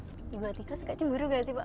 ibu atiko suka cemburu gak sih pak